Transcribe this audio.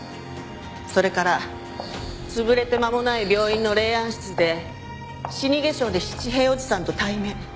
それから潰れてまもない病院の霊安室で死に化粧で七平おじさんと対面。